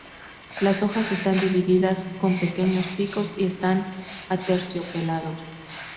Las hojas están divididas con pequeños picos y están aterciopelados.